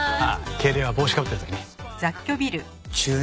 敬礼は帽子かぶってる時ね。